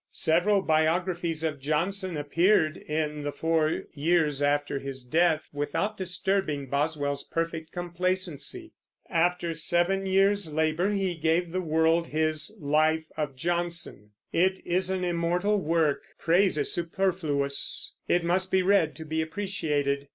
Several biographies of Johnson appeared, in the four years after his death, without disturbing Boswell's perfect complacency. After seven years' labor he gave the world his Life of Johnson. It is an immortal work; praise is superfluous; it must be read to be appreciated.